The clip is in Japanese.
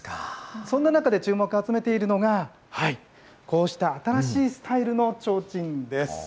そんな中で注目を集めているのが、こうした新しいスタイルのちょうちんです。